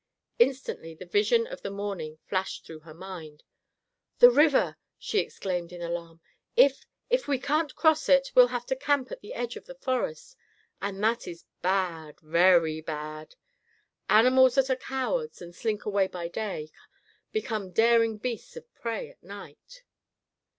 Instantly the vision of the morning flashed through her mind. "The river!" she exclaimed in alarm. "If—if we can't cross it, we'll have to camp at the edge of the forest. And that is bad, very bad. Animals that are cowards, and slink away by day, become daring beasts of prey at night."